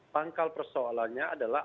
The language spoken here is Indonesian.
pangkal persoalannya adalah